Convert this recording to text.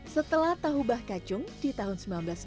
setelah tahu bah kacung di tahun seribu sembilan ratus sembilan puluh